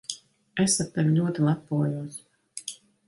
Es ar tevi ļoti lepojos.